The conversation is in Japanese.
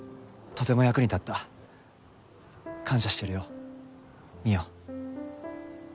とても役に立った。感謝してるよ望緒。